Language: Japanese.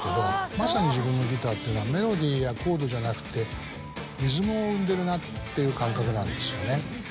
まさに自分のギターっていうのはメロディーやコードじゃなくてリズムを生んでるなっていう感覚なんですよね。